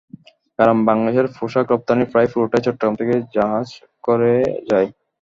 কারণ বাংলাদেশের পোশাক রপ্তানির প্রায় পুরোটাই চট্টগ্রাম থেকে জাহাজে করে যায়।